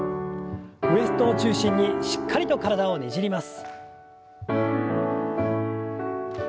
ウエストを中心にしっかりと体をねじります。